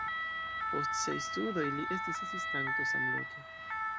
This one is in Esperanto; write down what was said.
Post siaj studoj li estis asistanto samloke.